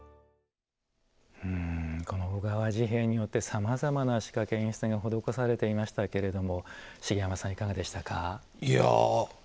この小川治兵衛によってさまざまな仕掛け、演出が施されていましたけども茂山さん、いかがでしたか。